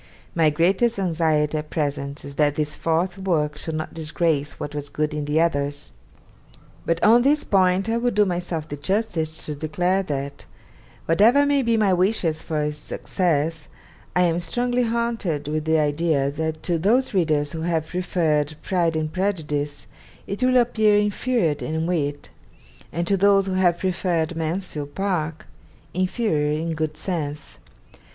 My greatest anxiety at present is that this fourth work should not disgrace what was good in the others. But on this point I will do myself the justice to declare that, whatever may be my wishes for its success, I am strongly haunted with the idea that to those readers who have preferred "Pride and Prejudice" it will appear inferior in wit, and to those who have preferred "Mansfield Park" inferior in good sense.